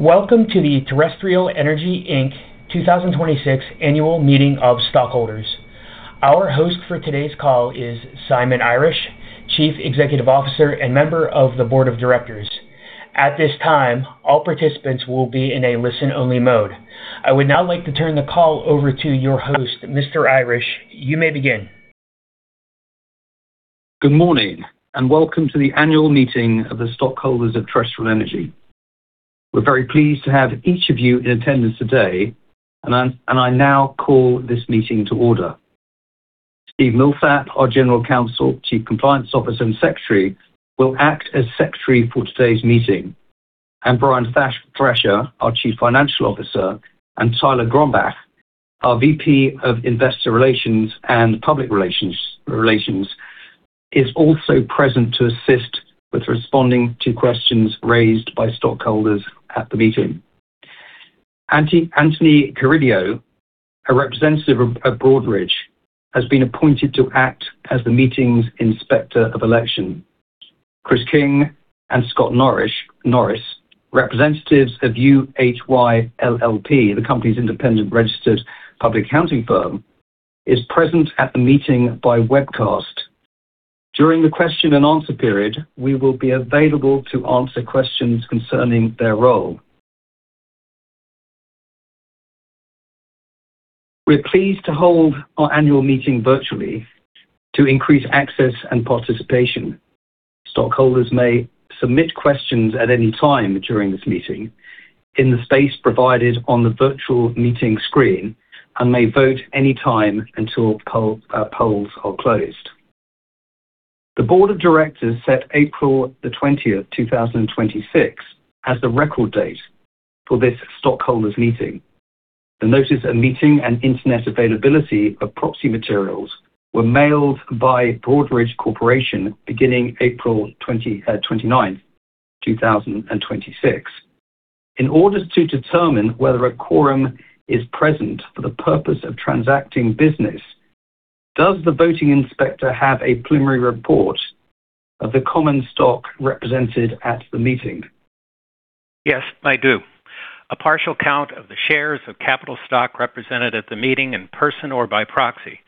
Welcome to the Terrestrial Energy Inc 2026 annual meeting of stockholders. Our host for today's call is Simon Irish, Chief Executive Officer and member of the board of directors. At this time, all participants will be in a listen-only mode. I would now like to turn the call over to your host, Mr. Irish. You may begin. Good morning, and welcome to the annual meeting of the stockholders of Terrestrial Energy. We're very pleased to have each of you in attendance today. I now call this meeting to order. Steve Millsap, our General Counsel, Chief Compliance Officer, and Secretary, will act as secretary for today's meeting. Brian Thrasher, our Chief Financial Officer, and Tyler Gronbach, our VP of Investor Relations and Public Relations, is also present to assist with responding to questions raised by stockholders at the meeting. Tony Carideo, a representative of Broadridge, has been appointed to act as the meeting's inspector of election. Chris King and Scott Norris, representatives of UHY LLP, the company's independent registered public accounting firm, is present at the meeting by webcast. During the question and answer period, we will be available to answer questions concerning their role. We're pleased to hold our annual meeting virtually to increase access and participation. Stockholders may submit questions at any time during this meeting in the space provided on the virtual meeting screen and may vote any time until polls are closed. The board of directors set April the 20th, 2026, as the record date for this stockholders meeting. The notice of meeting and internet availability of proxy materials were mailed by Broadridge Corporation beginning April 29th, 2026. In order to determine whether a quorum is present for the purpose of transacting business, does the voting inspector have a preliminary report of the common stock represented at the meeting? Yes, I do. A partial count of the shares of capital stock represented at the meeting in person or by proxy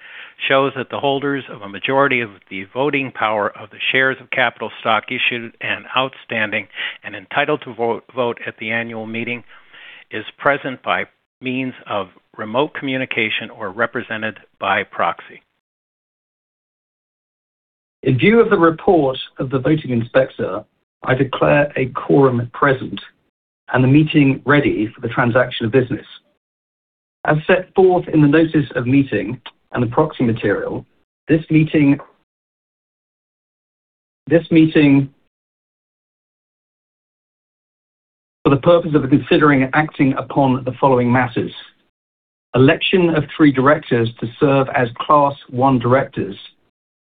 shows that the holders of a majority of the voting power of the shares of capital stock issued and outstanding and entitled to vote at the annual meeting is present by means of remote communication or represented by proxy. In view of the report of the voting inspector, I declare a quorum present and the meeting ready for the transaction of business. As set forth in the notice of meeting and the proxy material, this meeting, for the purpose of considering and acting upon the following matters: election of three directors to serve as Class I directors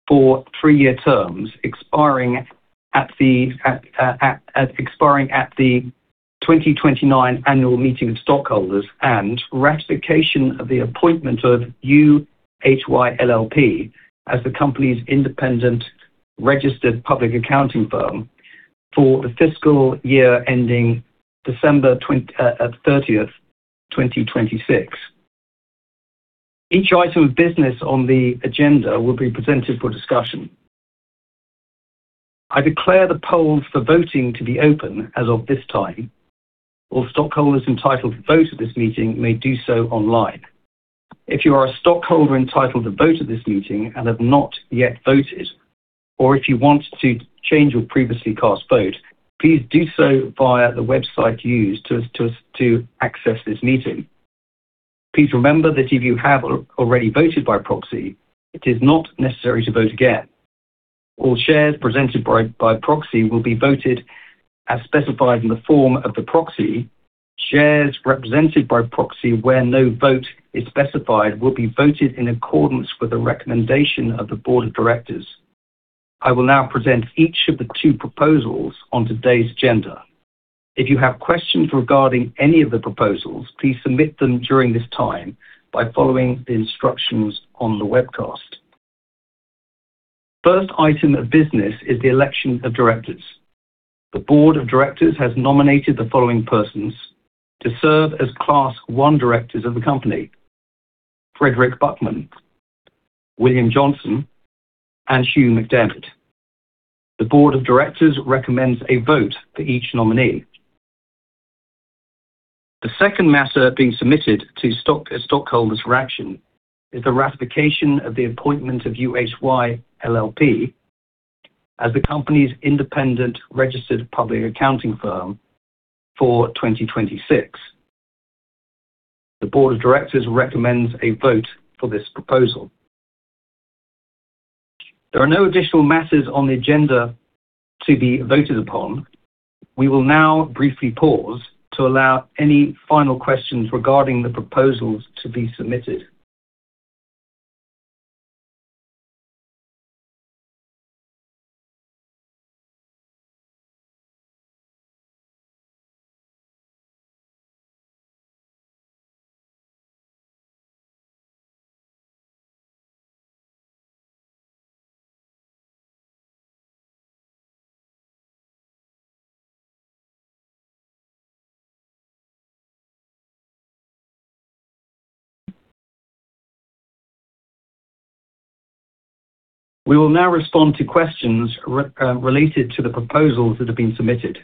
for three-year terms expiring at the 2029 annual meeting of stockholders, and ratification of the appointment of UHY LLP as the company's independent registered public accounting firm for the fiscal year ending December 30th, 2026. Each item of business on the agenda will be presented for discussion. I declare the polls for voting to be open as of this time. All stockholders entitled to vote at this meeting may do so online. If you are a stockholder entitled to vote at this meeting and have not yet voted, or if you want to change your previously cast vote, please do so via the website used to access this meeting. Please remember that if you have already voted by proxy, it is not necessary to vote again. All shares presented by proxy will be voted as specified in the form of the proxy. Shares represented by proxy where no vote is specified will be voted in accordance with the recommendation of the board of directors. I will now present each of the two proposals on today's agenda. If you have questions regarding any of the proposals, please submit them during this time by following the instructions on the webcast. First item of business is the election of directors. The board of directors has nominated the following persons to serve as Class I directors of the company: Frederick Buckman, William Johnson, and Hugh MacDiarmid. The board of directors recommends a vote for each nominee. The second matter being submitted to stockholders for action is the ratification of the appointment of UHY LLP as the company's independent registered public accounting firm for 2026. The board of directors recommends a vote for this proposal. There are no additional matters on the agenda to be voted upon. We will now briefly pause to allow any final questions regarding the proposals to be submitted. We will now respond to questions related to the proposals that have been submitted.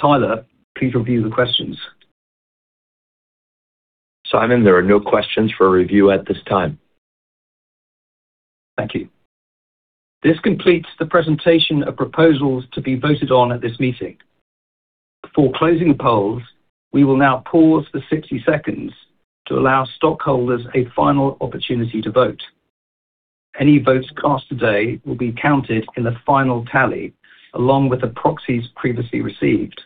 Tyler, please review the questions. Simon, there are no questions for review at this time. Thank you. This completes the presentation of proposals to be voted on at this meeting. Before closing the polls, we will now pause for 60 seconds to allow stockholders a final opportunity to vote. Any votes cast today will be counted in the final tally, along with the proxies previously received.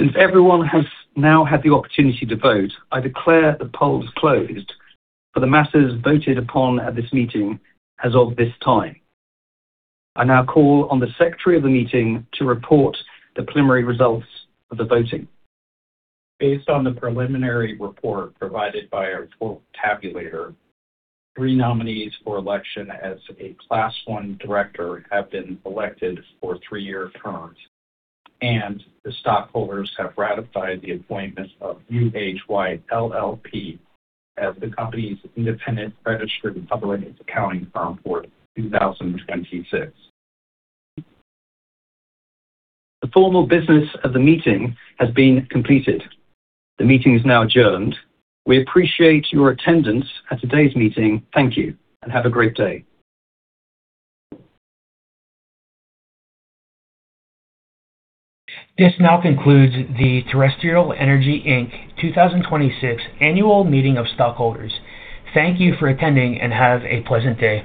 Since everyone has now had the opportunity to vote, I declare the polls closed for the matters voted upon at this meeting as of this time. I now call on the secretary of the meeting to report the preliminary results of the voting. Based on the preliminary report provided by our vote tabulator, three nominees for election as a Class I Director have been elected for three-year terms, and the stockholders have ratified the appointment of UHY LLP as the company's independent registered and public accounting firm for 2026. The formal business of the meeting has been completed. The meeting is now adjourned. We appreciate your attendance at today's meeting. Thank you, and have a great day. This now concludes the Terrestrial Energy Inc. 2026 annual meeting of stockholders. Thank you for attending, and have a pleasant day